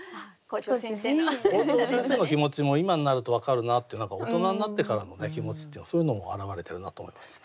校長先生の気持ちも今になると分かるなっていう何か大人になってからの気持ちっていうそういうのも表れてるなと思います。